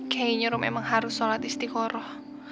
kayaknya rom emang harus sholat istiqoroh